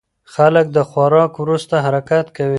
خلک د خوراک وروسته حرکت کوي.